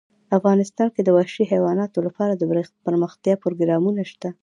افغانستان کې د وحشي حیواناتو لپاره دپرمختیا پروګرامونه شته.